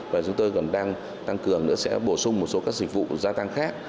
và chúng tôi còn đang tăng cường nữa sẽ bổ sung một số các dịch vụ gia tăng khác